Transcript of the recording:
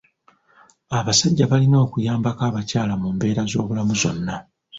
Abasajja balina okuyambako abakyala mu mbeera z'obulamu zonna.